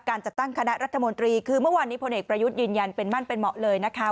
การจัดตั้งคณะรัฐมนตรีคือเมื่อวานนี้พลเอกประยุทธ์ยืนยันเป็นมั่นเป็นเหมาะเลยนะคะ